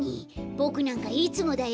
ボクなんかいつもだよ。